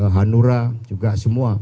hanura juga semua